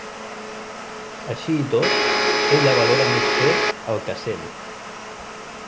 Així i tot, ella valora més fer ‘el que sent’.